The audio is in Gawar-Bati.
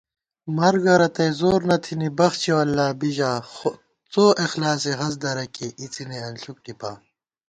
مرگہ رتئ زور نہ تھنی، بخچِیَؤاللہ بی ژا * څواخلاصےہست درہ کېئی اِڅِنےانݪُک ٹِپا